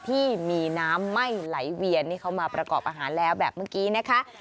ที่มีน้ำไหม้ไหลเวียนนี่เขามาประกอบอาหารแล้วแบบเมื่อกี้นะคะ